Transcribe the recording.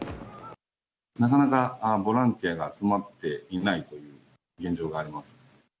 なかなかボランティアが集まっていないという現状があります。